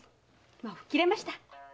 もう吹っ切れました。